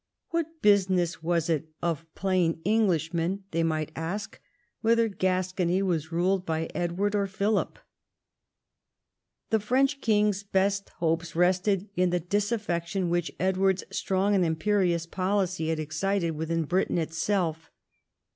What business was it of plain Englishmen, they might ask, whether Gascony Avas ruled by Edward or Philip ? The French king's best hopes rested in the dis affection which Edward's strong and imperious policy had excited within Britain itself.